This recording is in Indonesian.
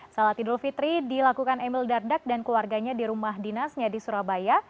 salat idul fitri dilakukan emil dardak dan keluarganya di rumah dinasnya di surabaya